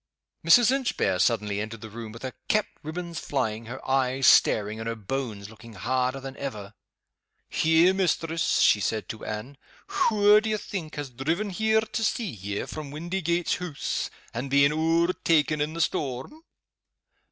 Mrs. Inchbare suddenly entered the room with her cap ribb ons flying, her eyes staring, and her bones looking harder than ever. "Eh, mistress!" she said to Anne. "Wha do ye think has driven here to see ye, from Windygates Hoose, and been owertaken in the storm?"